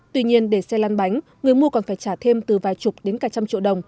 tuy nhiên để xe lan bánh người mua còn phải trả thêm từ vài chục đến cả trăm triệu đồng